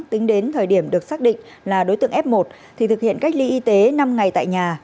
tính đến thời điểm được xác định là đối tượng f một thì thực hiện cách ly y tế năm ngày tại nhà